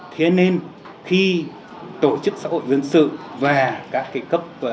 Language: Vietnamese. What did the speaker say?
thế nên khi tổ chức xã hội dân sự và các cấp cộng đồng